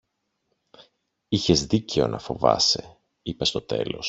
Είχες δίκαιο να φοβάσαι, είπε στο τέλος